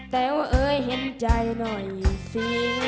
แต่ว่าเอ้ยเห็นใจหน่อยสิ